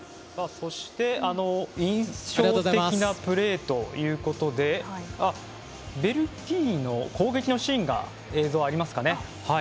そして印象的なプレーということでベルギーの攻撃のシーン映像、ありますかね。